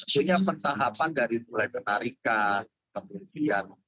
sebenarnya pentahapan dari mulai menarikan kemudian